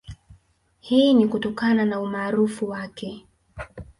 Hii ni kutokana na umaarufu wake